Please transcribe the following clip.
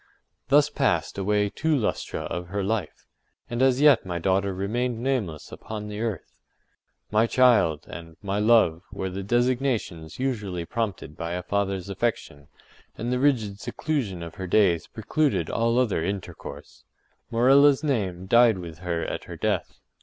Thus passed away two lustra of her life, and as yet my daughter remained nameless upon the earth. “My child,” and “my love,” were the designations usually prompted by a father’s affection, and the rigid seclusion of her days precluded all other intercourse. Morella’s name died with her at her death.